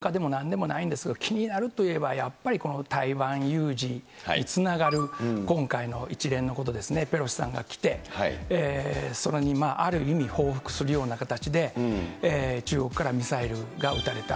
これは僕は決して専門家でもなんでもないんですが、気になるといえば、やっぱりこの台湾有事につながる今回の一連のことですね、ペロシさんが来て、それにある意味、報復するような形で、中国からミサイルが打たれた。